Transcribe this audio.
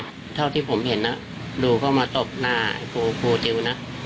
เพราะว่าที่ผมเห็นน่ะดูเค้ามาตบหน้าปูดอยู่น่ะ